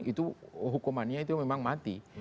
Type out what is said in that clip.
itu hukumannya itu memang mati